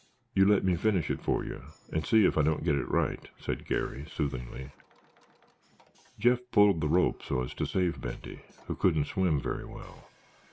"You let me finish it for you and see if I don't get it right," said Garry, soothingly. "Jeff pulled the rope so as to save Benty, who couldn't swim very well.